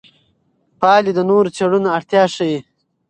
پایلې د نورو څېړنو اړتیا ښيي.